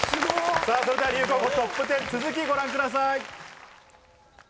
それでは流行語トップ１０、続きをご覧ください。